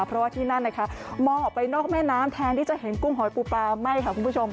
เพราะว่าที่นั่นนะคะมองออกไปนอกแม่น้ำแทนที่จะเห็นกุ้งหอยปูปลาไหม้ค่ะคุณผู้ชม